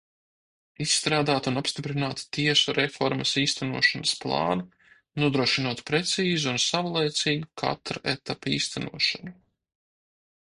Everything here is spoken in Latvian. Izstrādāt un apstiprināt tiesu reformas īstenošanas plānu, nodrošinot precīzu un savlaicīgu katra etapa īstenošanu.